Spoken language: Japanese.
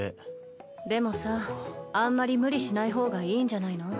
でもさあんまり無理しない方がいいんじゃないの？